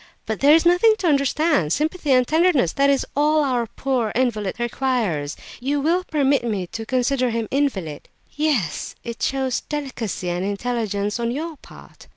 "But there is nothing to understand! Sympathy and tenderness, that is all—that is all our poor invalid requires! You will permit me to consider him an invalid?" "Yes, it shows delicacy and intelligence on your part."